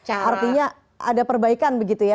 artinya ada perbaikan begitu ya